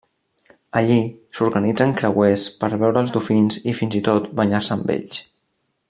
Allí, s'organitzen creuers per veure els dofins i fins i tot banyar-se amb ells.